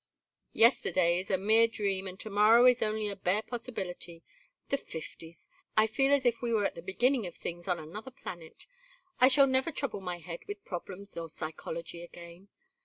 "Yesterday is a mere dream and to morrow is only a bare possibility! The Fifties! I feel as if we were at the beginning of things on another planet. I shall never trouble my head with problems or psychology again.